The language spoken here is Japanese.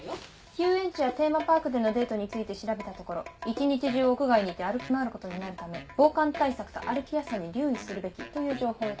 遊園地やテーマパークでのデートについて調べたところ一日中屋外にいて歩き回ることになるため防寒対策と歩きやすさに留意するべきという情報を得たわ。